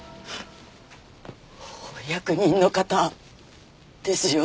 お役人の方ですよね？